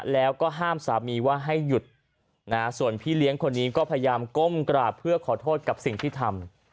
แล้วก็ห้ามสามีว่าให้หยุดส่วนพี่เลี้ยงคนนี้ก็พยายามก้มกราบเพื่อขอโทษกับสิ่งที่ทำ